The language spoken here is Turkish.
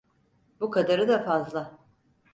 Bu kadarı da fazla.